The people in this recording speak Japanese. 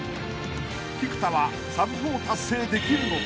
［菊田はサブ４達成できるのか？］